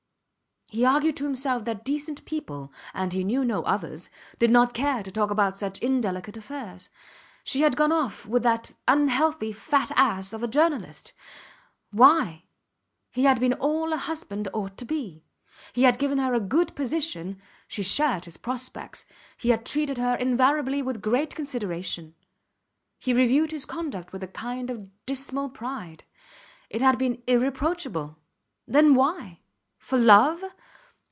He argued to himself that decent people and he knew no others did not care to talk about such indelicate affairs. She had gone off with that unhealthy, fat ass of a journalist. Why? He had been all a husband ought to be. He had given her a good position she shared his prospects he had treated her invariably with great consideration. He reviewed his conduct with a kind of dismal pride. It had been irreproachable. Then, why? For love?